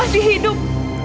putriku masih hidup